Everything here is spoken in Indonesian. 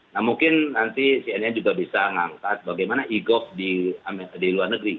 nah mungkin nanti cnn juga bisa mengangkat bagaimana e gov di luar negeri